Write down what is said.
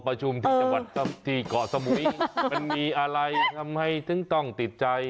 ประชุมที่เกาะสมุยมันมีอะไรทำให้ตึงต้องติดใจ